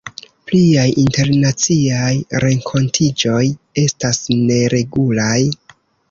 Pliaj internaciaj renkontiĝoj estas neregulaj.